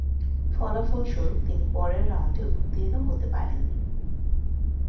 ফলাফল সরূপ তিনি পরের রাউন্ডে উত্তীর্ণ হতে পারেননি।